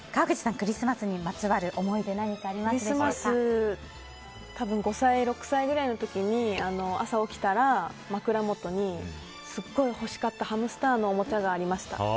クリスマス多分５歳、６歳ぐらいの時に朝起きたら、枕元にすっごい欲しかったハムスターのおもちゃがありました。